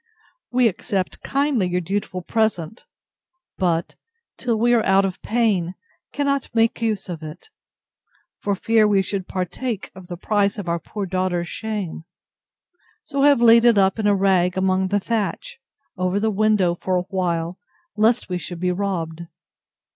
We accept kindly your dutiful present; but, till we are out of pain, cannot make use of it, for fear we should partake of the price of our poor daughter's shame: so have laid it up in a rag among the thatch, over the window, for a while, lest we should be robbed.